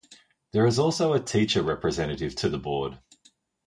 There is also a teacher representative to the board.